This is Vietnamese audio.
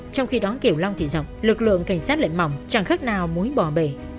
trong khi đó kiểu long thì rộng lực lượng cảnh sát lệnh mỏng chẳng khác nào mối bỏ bể